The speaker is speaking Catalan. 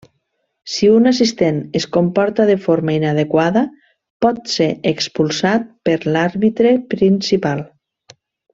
Si un assistent es comporta de forma inadequada, pot ser expulsat per l'àrbitre principal.